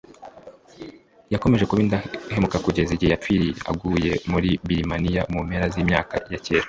Yakomeje kuba indahemuka kugeza igihe yapfiriye aguye muri Birimaniya mu mpera z imyaka ya cyera